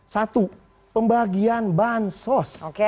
satu pembagian bahan sos